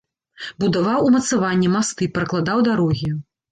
Будаваў умацаванні, масты, пракладаў дарогі.